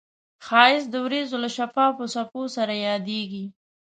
ښایست د وریځو له شفافو څپو سره یادیږي